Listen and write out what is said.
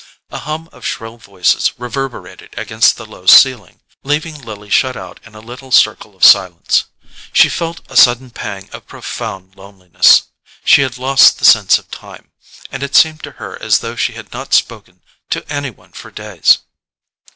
A hum of shrill voices reverberated against the low ceiling, leaving Lily shut out in a little circle of silence. She felt a sudden pang of profound loneliness. She had lost the sense of time, and it seemed to her as though she had not spoken to any one for days.